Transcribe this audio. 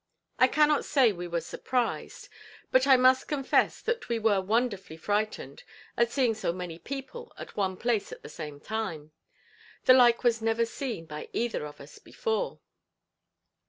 I cannot say we were surprised, but I must confess that we were wonderfully frightened at seeing so many people at one place at the same time. The like was never seen by either of us before.